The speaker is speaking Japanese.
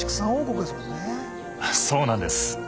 そうなんです！